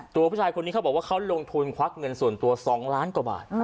ตัวผู้ชายคนนี้เขาบอกว่าเขาลงทุนควักเงินส่วนตัว๒ล้านกว่าบาท